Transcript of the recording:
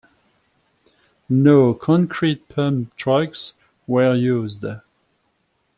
No concrete pump trucks were used.